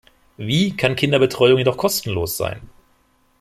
Wie kann Kinderbetreuung jedoch kostenlos sein?